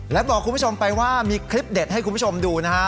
และบอกคุณผู้ชมไปว่ามีคลิปเด็ดให้คุณผู้ชมดูนะฮะ